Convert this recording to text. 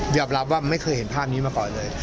รับว่าไม่เคยเห็นภาพนี้มาก่อนเลย